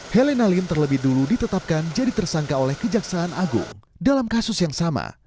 helena lim terlebih dulu ditetapkan jadi tersangka oleh kejaksaan agung dalam kasus yang sama